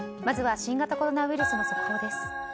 まずは新型コロナウイルスの速報です。